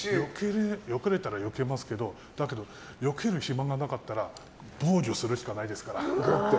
よけられたら、よけますけどだけどよける暇がなかったら防御するしかないですから。